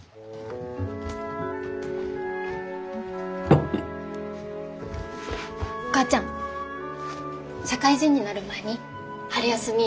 お母ちゃん社会人になる前に春休み